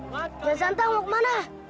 jal santang mau kemana